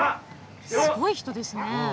すごい人ですね。